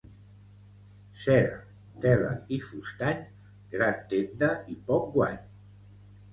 Cera, tela i fustany, gran tenda i poc guany.